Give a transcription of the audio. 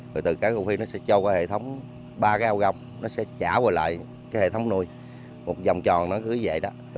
rồi từ cái go phi nó sẽ cho qua hệ thống ba gao gong nó sẽ trả về lại cái hệ thống nuôi một vòng tròn nó cứ vậy đó